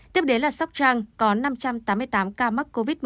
tiếp đến là sóc trăng có năm trăm tám mươi tám ca mắc covid một mươi chín